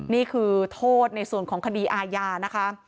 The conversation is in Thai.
นี่คือโทษในส่วนของคดีอาญานะคะ